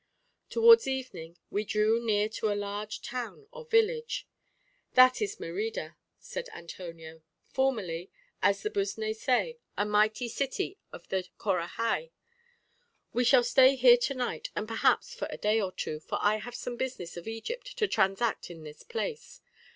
Towards evening we drew near to a large town or village. "That is Merida," said Antonio, "formerly, as the Busné say, a mighty city of the Corahai. We shall stay here to night, and perhaps for a day or two, for I have some business of Egypt to transact in this place.